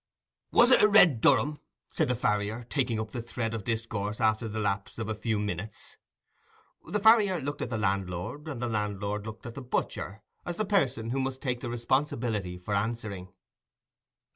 "Was it a red Durham?" said the farrier, taking up the thread of discourse after the lapse of a few minutes. The farrier looked at the landlord, and the landlord looked at the butcher, as the person who must take the responsibility of answering.